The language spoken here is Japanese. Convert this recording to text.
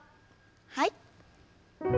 はい。